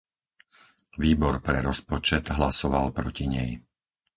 Výbor pre rozpočet hlasoval proti nej.